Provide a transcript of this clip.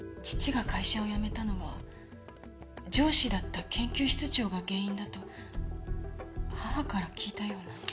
父が会社を辞めたのは上司だった研究室長が原因だと母から聞いたような。